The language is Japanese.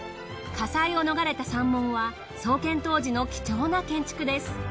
火災を逃れた山門は創建当時の貴重な建築です。